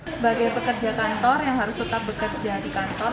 sebagai pekerja kantor yang harus tetap bekerja di kantor